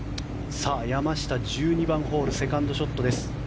山下、１２番ホールセカンドショットです。